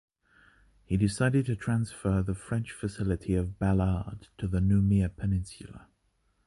He decided to transfer the French facility of Balade to the Noumea peninsula.